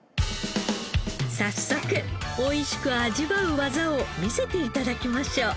早速美味しく味わう技を見せて頂きましょう。